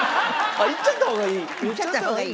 行っちゃった方がいい！？